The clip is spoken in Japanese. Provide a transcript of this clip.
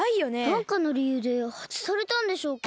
なんかのりゆうではずされたんでしょうか。